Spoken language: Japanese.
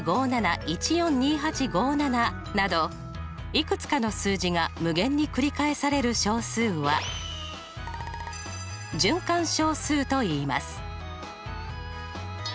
いくつかの数字が無限に繰り返される小数は循環小数といいます。